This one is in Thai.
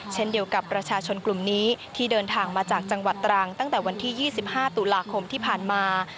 เช่นเดียวกับประชาชนกลุ่มนี้ที่เดินทางมาจากจังหวัดตรังตั้งแต่วันที่๒๕ตุลาคมที่ผ่านมา